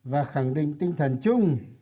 và khẳng định tinh thần chung